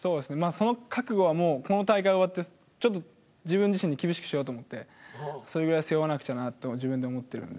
その覚悟はもうこの大会終わってちょっと自分自身に厳しくしようと思ってそれぐらい背負わなくちゃなと自分で思ってるんで。